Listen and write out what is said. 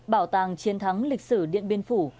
bảo tàng chiến thắng lịch sử điện biên phủ